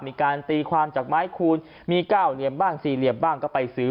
มีการตีความจากไม้คูณมี๙เหลี่ยมบ้างสี่เหลี่ยมบ้างก็ไปซื้อ